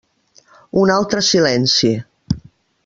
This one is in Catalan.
Un altre silenci.